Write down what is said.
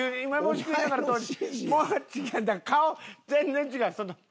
違う顔全然違う。